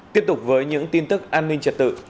tiếp tục với những tin tức an ninh trật tự